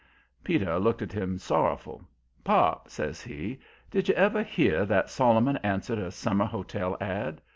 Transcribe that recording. Peter looked at him sorrowful. "Pop," says he, "did you ever hear that Solomon answered a summer hotel ad?